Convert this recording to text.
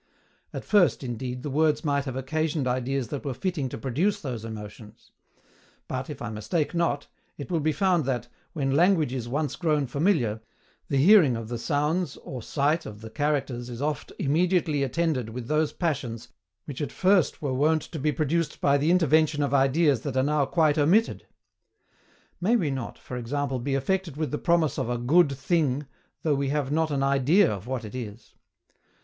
At first, indeed, the words might have occasioned ideas that were fitting to produce those emotions; but, if I mistake not, it will be found that, when language is once grown familiar, the hearing of the sounds or sight of the characters is oft immediately attended with those passions which at first were wont to be produced by the intervention of ideas that are now quite omitted. May we not, for example, be affected with the promise of a GOOD THING, though we have not an idea of what it is?